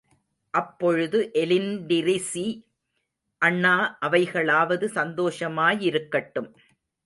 அப்பொழுது எலின்டிரிஸி, அண்ணா அவைகளாவது சந்தோஷமாயிருக்கட்டும்.